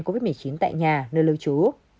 covid một mươi chín tại nhà nơi lưu trú